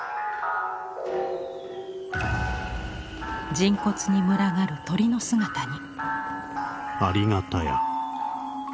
人骨に群がる鳥の姿に。